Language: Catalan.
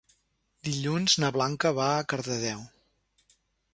Dilluns na Blanca va a Cardedeu.